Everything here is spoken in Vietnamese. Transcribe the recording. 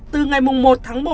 từ ngày một tháng một